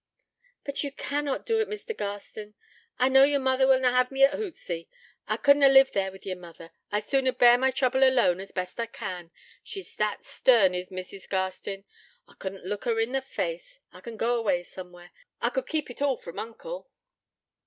'But ye cannot do it, Mr. Garstin. Ye know your mother will na have me at Hootsey.... I could na live there with your mother.... I'd sooner bear my trouble alone, as best I can.... She's that stern is Mrs. Garstin. I couldn't look her in the face.... I can go away somewhere.... I could keep it all from uncle.'